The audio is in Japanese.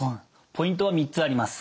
ポイントは３つあります。